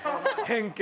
偏見。